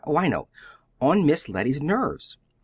Oh, I know on Miss Letty's nerves.